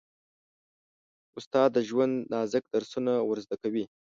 استاد د ژوند نازک درسونه ور زده کوي.